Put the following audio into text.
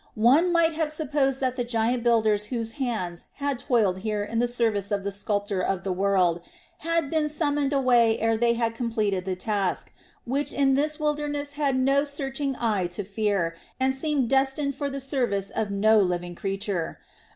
One might have supposed that the giant builders whose hands had toiled here in the service of the Sculptor of the world had been summoned away ere they had completed the task, which in this wilderness had no searching eye to fear and seemed destined for the service of no living creature.